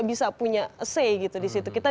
bisa punya say di situ kita